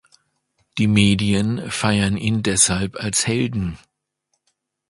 Die Medien feiern ihn deshalb als Helden.